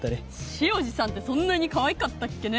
潮路さんってそんなにかわいかったっけね？